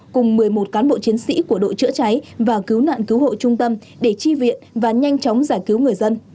cùng một mươi một cán bộ chiến sĩ của đội chữa cháy và cứu nạn cứu hộ trung tâm để chi viện và nhanh chóng giải cứu người dân